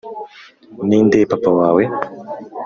ninde papa wawe